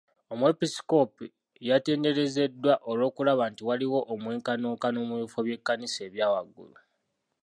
Omwepiskoopi yatenderezeddwa olw'okulaba nti waliwo omwenkanonkano mu bifo by'ekkanisa ebya waggulu.